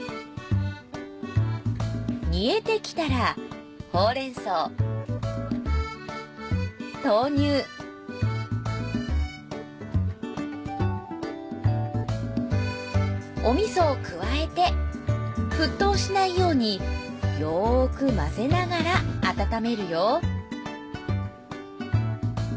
煮えてきたらほうれん草豆乳お味噌を加えて沸騰しないようによく混ぜながら温めるよ